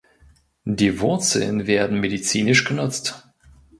Die Wurzeln werden medizinisch genutzt.